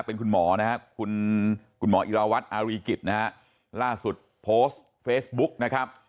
เป็นคุณหมอนะครับคุณคุณหมออิราวัตรอารีกิจนะฮะล่าสุดโพสต์เฟซบุ๊กนะครับ